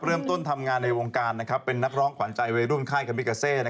เริ่มต้นทำงานในวงการเป็นนักร้องขวานใจใบร่วมค่ายกับมิกาเซ่